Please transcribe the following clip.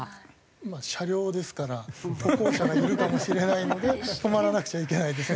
まあ車両ですから歩行者がいるかもしれないので止まらなくちゃいけないですよね。